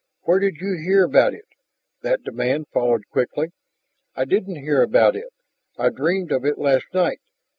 "Where did you hear about it?" That demand followed quickly. "I didn't hear about it. I dreamed of it last night.